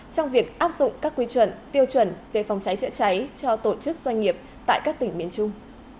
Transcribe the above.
trong việc áp dụng các quy chuẩn tiêu chuẩn về phòng cháy chữa cháy cho tổ chức doanh nghiệp tại các tỉnh miền trung